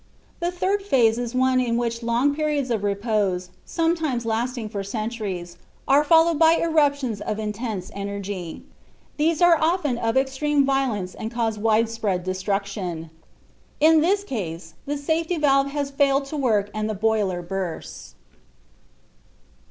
The third phase is one in which long periods of repose, sometimes lasting for centuries, are followed by eruptions of intense energy. These are often of extreme violence and cause widespread destruction. In this case the safety valve has failed to work and the boiler bursts.